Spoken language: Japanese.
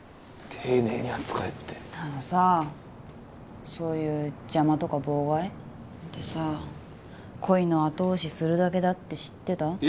丁寧に扱えってあのさそういう邪魔とか妨害？ってさ恋の後押しするだけだって知ってた？